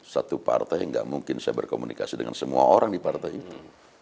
satu partai yang gak mungkin saya berkomunikasi dengan semua orang di partai itu